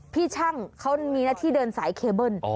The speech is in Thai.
พี่ช่างเขามีหน้าที่เดินสายเคเบิ้ล